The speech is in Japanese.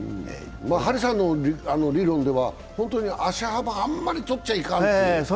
張さんの理論では、本当に足幅はあんまりとっちゃいかんという。